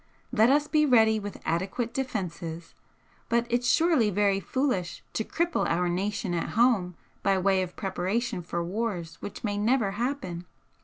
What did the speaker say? Let us be ready with adequate defences, but it's surely very foolish to cripple our nation at home by way of preparation for wars which may never happen."